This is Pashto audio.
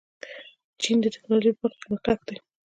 چین د ټیکنالوژۍ په برخه کې مخکښ دی.